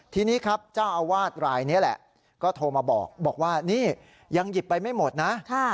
ทีนี้ครับเจ้าอาวาสรายนี้แหละก็โทรมาบอกว่านี่ยังหยิบไปไม่หมดนะ